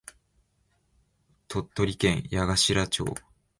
鳥取県八頭町